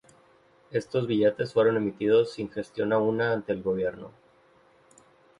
Estos billetes fueron emitidos sin gestión alguna ante el gobierno.